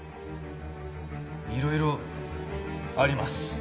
いろいろあります！